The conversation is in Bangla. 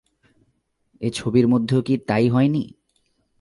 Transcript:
এই ছবির মধ্যেও কি তাই হয় নি?